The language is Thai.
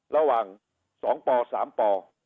ระหว่าง๒ป๓ป